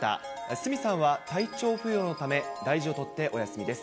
鷲見さんは体調不良のため、大事を取ってお休みです。